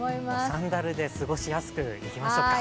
サンダルで過ごしやすくいきましょうか。